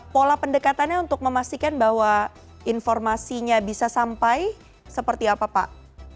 pola pendekatannya untuk memastikan bahwa informasinya bisa sampai seperti apa pak